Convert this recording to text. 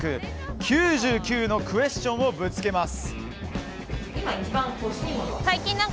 ９９のクエスチョンをぶつけます。